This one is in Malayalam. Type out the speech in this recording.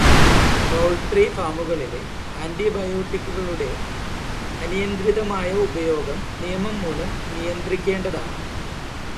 പൗൾട്രി ഫാമുകളിലെ ആന്റിബയോട്ടിക്കുകളുടെ അനിയന്ത്രിതമായ ഉപയോഗം നിയമം മൂലം നിയന്ത്രിക്കേണ്ടതാണ്.